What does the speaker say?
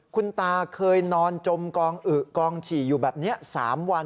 คุณตาเคยนอนจมกองอึกองฉี่อยู่แบบนี้๓วัน